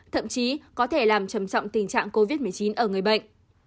thậm chí có thể làm trầm trọng tình trạng covid một mươi chín ở người bệnh